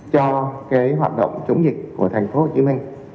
cho hoạt động chống dịch của tp hcm